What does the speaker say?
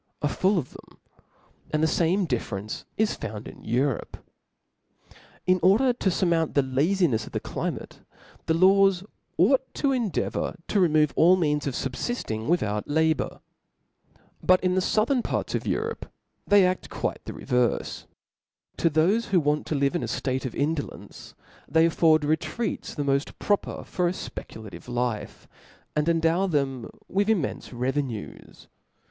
335 Are full of them i and the lame difference is found Book in purope. Cha^^^' In order to furmounc the lazinefs of the cU mate» the laws ought to endeavour to remove all means of fubfifting without labour : but in the fouchern parts of Europe they aft quite the re verfe ; to thofe who want to live in a date of in dolence, they afford retreats the moft proper for a fpecuiative Kfe, and endow them with immenfe re venues.